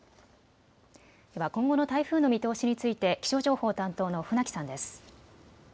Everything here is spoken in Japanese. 今後の台風の見通しについて気象情報担当の船木さんです。